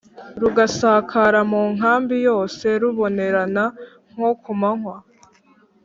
rugasakara mu nkambi yose rubonerana nko ku manywa.